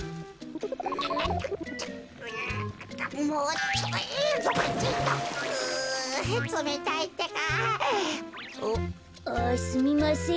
う？あすみません。